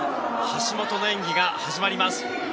橋本の演技が始まります。